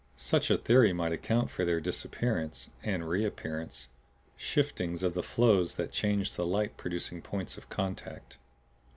Such a theory might account for their disappearance, and reappearance, shiftings of the flows that changed the light producing points of contact.